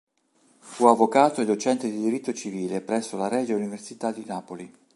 Fu avvocato e docente di diritto civile presso la Regia Università di Napoli.